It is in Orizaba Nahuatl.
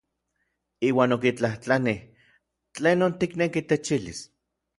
Iuan okitlajtlanij: ¿Tlenon tikneki techilis?